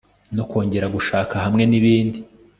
no kongera gushaka; hamwe ni bindi